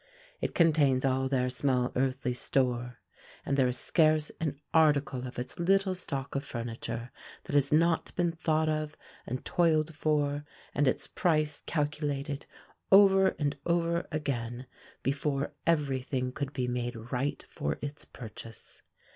It contains all their small earthly store, and there is scarce an article of its little stock of furniture that has not been thought of, and toiled for, and its price calculated over and over again, before every thing could be made right for its purchase.